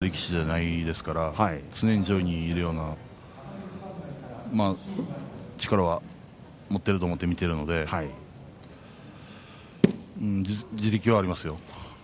もともと体で相撲を取るような力士じゃないですから常に上位にいるように力は持っていると思って見ているので地力がありますよ。